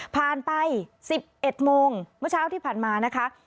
ไป๑๑โมงเมื่อเช้าที่ผ่านมานะคะ